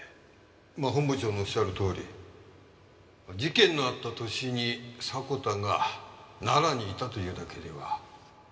まあ本部長のおっしゃるとおり事件のあった年に迫田が奈良にいたというだけでは」